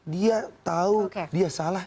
dia tahu dia salah